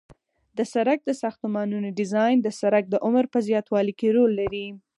د سرک د ساختمانونو ډیزاین د سرک د عمر په زیاتوالي کې رول لري